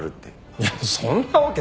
いやそんなわけ。